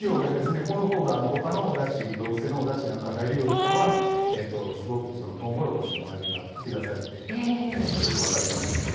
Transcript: このほうが他の動物性のおだしなんか入るよりかはすごくとうもろこしの味が引き出されてよく分かりますのでね。